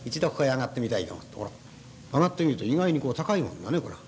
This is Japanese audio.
上がってみると意外に高いもんだねこら。